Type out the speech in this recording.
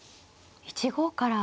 １五から。